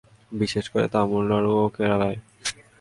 বিশেষ করে তামিলনাড়ু ও কেরালায়।